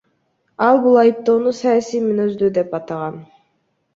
Ал бул айыптоону саясий мүнөздүү деп атаган.